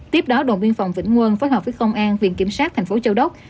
tiếp đó đồn biên phòng vĩnh quân phối hợp với công an viện kiểm sát thành phố châu đốc